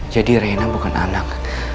jadi reina bukan anak